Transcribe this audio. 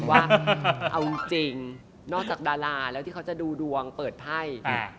ว่าเอาจริงนอกจากดาราแล้วที่เขาจะดูดวงเปิดไพ่